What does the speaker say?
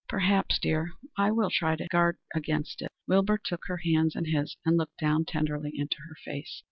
"Perhaps, dear. I will try to guard against it." Wilbur took her hands in his and looked down tenderly into her face.